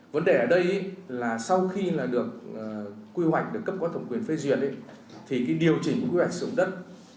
vấn đề ở đây là sau khi được quy hoạch được cấp có thẩm quyền phê duyệt thì cái điều chỉnh quy hoạch sử dụng đất